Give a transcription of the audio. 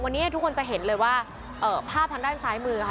วันนี้ทุกคนจะเห็นเลยว่าภาพทางด้านซ้ายมือค่ะ